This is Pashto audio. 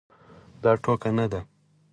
دا ټوکه نه ده.